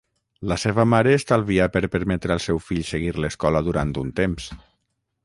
La seva mare estalvià per permetre al seu fill seguir l'escola durant un temps.